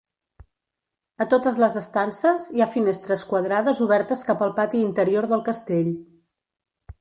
A totes les estances hi ha finestres quadrades obertes cap al pati interior del castell.